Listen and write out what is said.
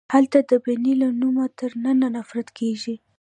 هلته د بنې له نومه تر ننه نفرت کیږي